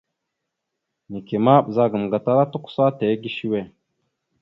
Neke ma ɓəzagaam gatala tʉkəsa tige səwe.